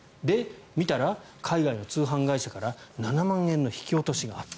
見たら、海外の通販会社から７万円の引き落としがあった。